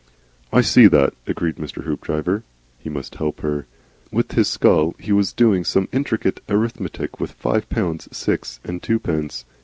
"I see that," agreed Mr. Hoopdriver. He MUST help her. Within his skull he was doing some intricate arithmetic with five pounds six and twopence.